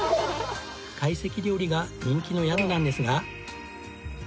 会席料理が人気の宿なんですが。